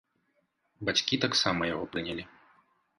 Бацькі таксама яго прынялі.